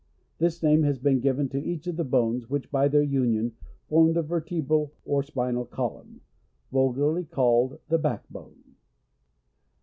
This name has been given to each of the bones, which, by their union, form the vertebral or spinal column, vulgarly called the back bone.